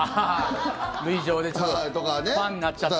塁上でファンになっちゃって。